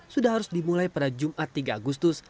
sudah harus dimulai pada jumat tiga agustus